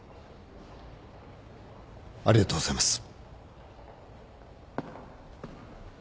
ありがとうございます